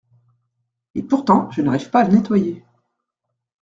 Et pourtant, je n’arrive pas à le nettoyer.